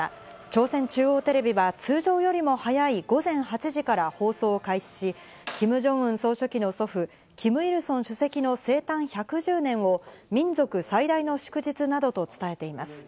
朝鮮中央テレビは通常よりも早い午前８時から放送を開始し、キム・ジョンウン総書記の祖父、キム・イルソン主席の生誕１１０年を民族最大の祝日などと伝えています。